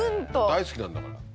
大好きなんだから。